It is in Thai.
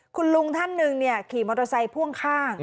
คุณลุงท่านหนึ่งขี่มอเตอร์ไซค์พ่วงข้าง